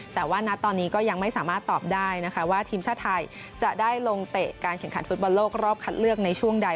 แต่ว่าณตอนนี้ก็ยังไม่สามารถตอบได้นะคะว่าทีมชาติไทยจะได้ลงเตะการแข่งขันฟุตบอลโลกรอบคัดเลือกในช่วงใด